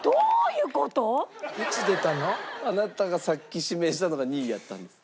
あなたがさっき指名したのが２位やったんです。